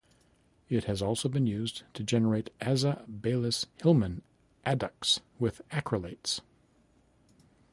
It has also been used to generate aza-Baylis-Hillman adducts with acrylates.